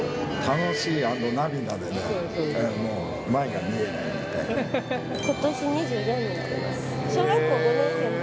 楽しい＆涙でね、もう前が見えないみたいな。